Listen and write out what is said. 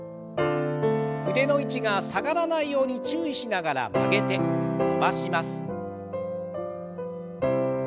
腕の位置が下がらないように注意しながら曲げて伸ばします。